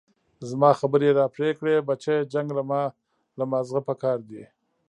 زما خبرې يې راپرې كړې بچيه جنګ له مازغه پكار دي.